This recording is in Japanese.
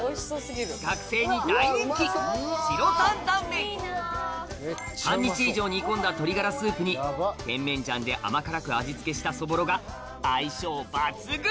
学生に大人気半日以上煮込んだ鶏ガラスープに甜麺醤で甘辛く味付けしたそぼろが相性抜群！